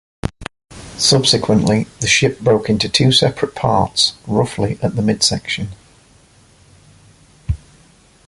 Subsequently, the ship broke into two separate parts, roughly at the midsection.